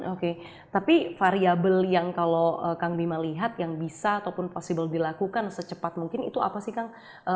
oke tapi variabel yang kalau kang bima lihat yang bisa ataupun possible dilakukan secepat mungkin itu apa sih kang